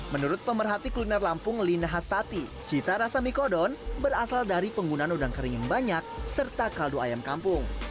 menurut pemerhati kuliner lampung lina hastati cita rasa mie kodon berasal dari penggunaan udang kering yang banyak serta kaldu ayam kampung